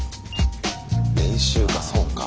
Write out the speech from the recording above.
練習かそうか。